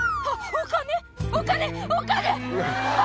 お金、お金。